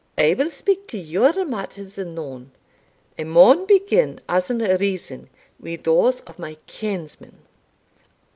"I will speak to your matters anon; I maun begin, as in reason, wi' those of my kinsman.